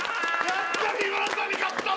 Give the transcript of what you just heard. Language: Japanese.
やった！